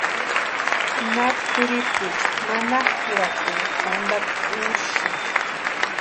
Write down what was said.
Maru kwʼiripuecha manakʼurhakwaeri wantakwa úrasïnti.